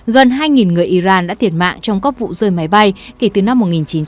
gần hai người iran đã thiệt mạng trong các vụ rơi máy bay kể từ năm một nghìn chín trăm chín mươi